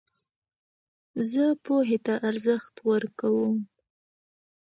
زه پوهي ته ارزښت ورکوم.